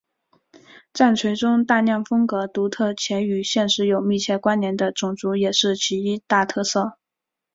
战锤中大量风格独特且与现实有密切关联的种族也是其一大特色。